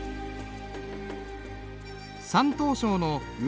山東省の雲